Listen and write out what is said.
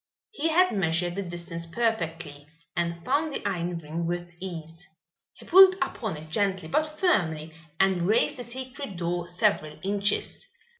He had measured the distance perfectly and found the iron ring with ease. He pulled upon it gently but firmly and raised the secret door several inches.